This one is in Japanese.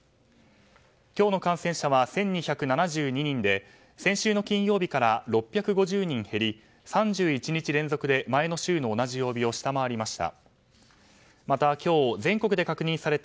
今日の感染者は１２７２人で先週の金曜日から６５０人減り３１日連続で前の週の同じ曜日を下回りました。